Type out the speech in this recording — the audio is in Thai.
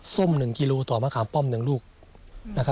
ส้มหนึ่งกิโลต่อมะขามป้อมหนึ่งลูก